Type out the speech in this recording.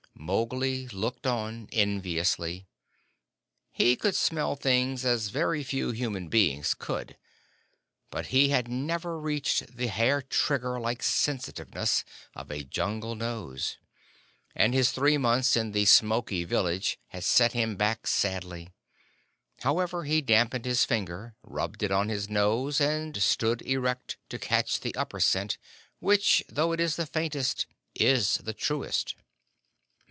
Mowgli looked on enviously. He could smell things as very few human beings could, but he had never reached the hair trigger like sensitiveness of a Jungle nose; and his three months in the smoky village had set him back sadly. However, he dampened his finger, rubbed it on his nose, and stood erect to catch the upper scent, which, though it is the faintest, is the truest.